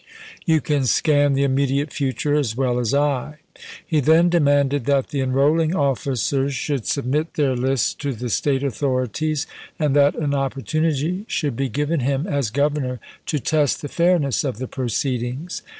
You can scan the immediate future as well as I." He then de manded that the enrolling officers should submit their lists to the State authorities and that an oppor tunity should be given him, as Governor, to test the fairness of the proceedings.